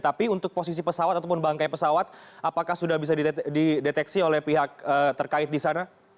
tapi untuk posisi pesawat ataupun bangkai pesawat apakah sudah bisa dideteksi oleh pihak terkait di sana